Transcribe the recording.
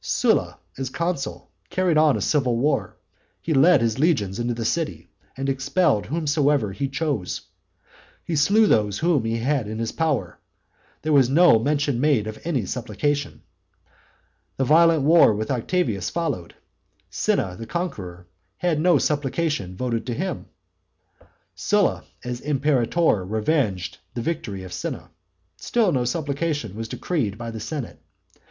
Sylla as consul carried on a civil war; he led his legions into the city and expelled whomsoever he chose; he slew those whom he had in his power: there was no mention made of any supplication. The violent war with Octavius followed. Cinna the conqueror had no supplication voted to him. Sylla as imperator revenged the victory of Cinna, still no supplication was decreed by the senate.